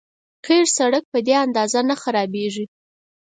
قیر سړک په دې اندازه نه خرابېږي.